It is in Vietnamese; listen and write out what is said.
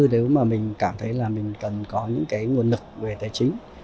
nếu mà mình cảm thấy là mình cần có những cái nguồn lực về tài chính